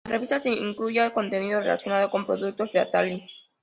En la revista se incluía contenido relacionado con los productos de Atari.